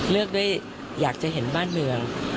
เลือกด้วยอยากจะเห็นบ้านเมือง